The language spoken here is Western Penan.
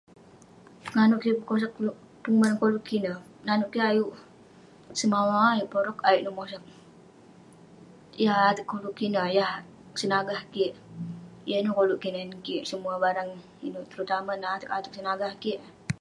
Penganouk kik pekosag penguman koluk kik ineh, nanouk kik ayuk semawa, ayuk porog ayuk neh mosag. Yah ateg koluk kik ineh yah senagah kik. Yah ineh koluk kinan kik, semuah barang ineh. Terutama neh ateg ateg senagah kik eh.